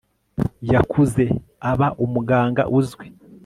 yakuze aba umuganga uzwi